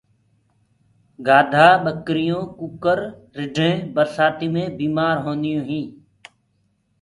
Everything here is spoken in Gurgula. گآڌآ ٻڪرِيونٚ ڪوڪرِ رِڍينٚ برسآتيٚ مي بيٚمآر هونٚديو هينٚ